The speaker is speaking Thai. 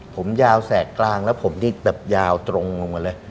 ผมยาวแสกกลางแล้วผมนี่แบบยาวตรงลงมาเลย